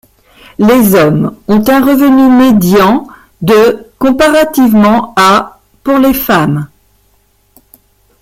Les hommes ont un revenu médian de comparativement à pour les femmes.